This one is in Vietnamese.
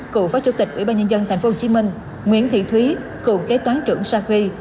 cựu phó chủ tịch ủy ban nhân dân tp hcm nguyễn thị thúy cựu kế toán trưởng sacri